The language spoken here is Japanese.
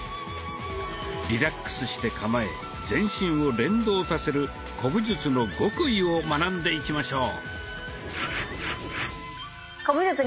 リラックスして構え全身を連動させる古武術の極意を学んでいきましょう。